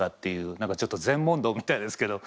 何かちょっと禅問答みたいですけど。